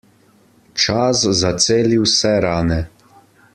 Čas zaceli vse rane.